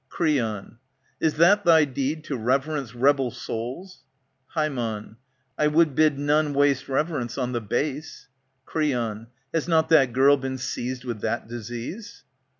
Creon, Is that thy deed to reverence rebel souls ?^^ Ham, I would bid none waste reverence on the base. Creon, Has not that girl been seized with that disease